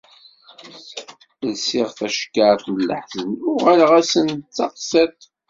Lsiɣ tacekkart n leḥzen, uɣaleɣ-asen d taqṣiḍt.